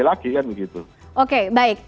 lagi kan begitu oke baik